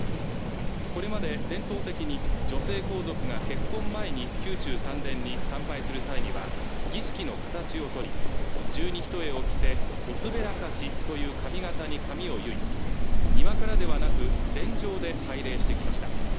これまで伝統的に女性皇族が結婚前に宮中三殿に参拝する際には儀式の形をとり十二単を着ておすべらかしという髪型に髪を結い庭からではなく殿上で拝礼してきました